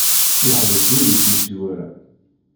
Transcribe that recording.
Yeḥbes wul-is mi i t-iwala.